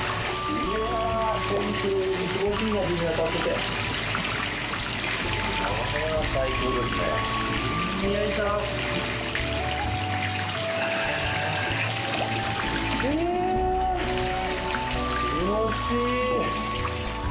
いや気持ちいい。